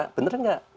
tapi benar enggak